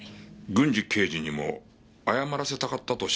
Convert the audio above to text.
郡侍刑事にも謝らせたかったとおっしゃいましたね。